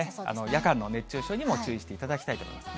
夜間の熱中症にも注意していただきたいと思います。